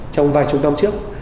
trong vài chục năm trước